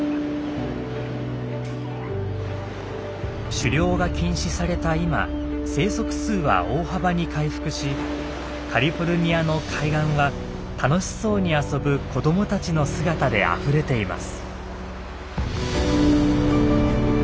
狩猟が禁止された今生息数は大幅に回復しカリフォルニアの海岸は楽しそうに遊ぶ子どもたちの姿であふれています。